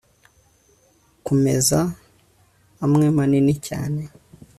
kumeza amwe manini cyane